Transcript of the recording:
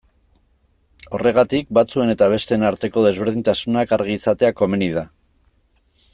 Horregatik, batzuen eta besteen arteko desberdintasunak argi izatea komeni da.